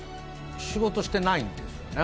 仕事してないんですよね